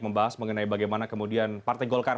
membahas mengenai bagaimana kemudian partai golkar